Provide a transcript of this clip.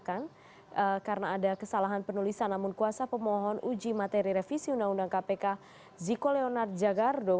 karena ada kesalahan penulisan namun kuasa pemohon uji materi revisi undang undang kpk ziko leonard jagardo